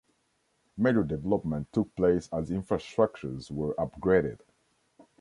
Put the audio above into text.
Major development took place as infrastructures were upgraded.